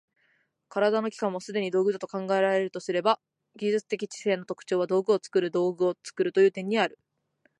身体の器官もすでに道具と考えられるとすれば、技術的知性の特徴は道具を作る道具を作るという点にある。